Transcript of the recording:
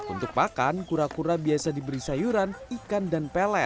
untuk pakan kura kura biasa diberi sayuran ikan dan pelet